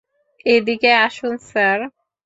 এদিকে আসুন, স্যার।